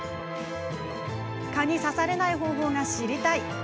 蚊に刺されない方法が知りたい！